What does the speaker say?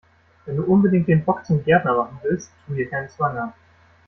Wenn du unbedingt den Bock zum Gärtner machen willst, tu dir keinen Zwang an!